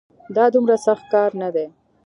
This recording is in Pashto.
دا دومره سخت کار نه دی